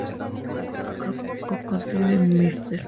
Crocodile, Mr.